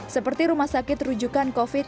seperti rumah sakit rujukan covid sembilan belas